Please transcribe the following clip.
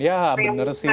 ya bener sih